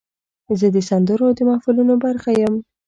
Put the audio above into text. زه د سندرو د محفلونو برخه یم.